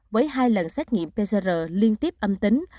với hai lần xét nghiệm pcr liên tiếp âm tính